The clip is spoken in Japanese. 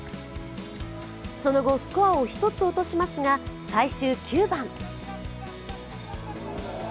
その後、スコアを１つ落としますが最終９番。